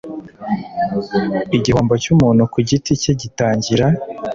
igihombo cy umuntu ku giti cye gitangira